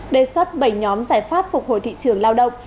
đề xuất bảy nhóm giải pháp phục hồi thị trường lao động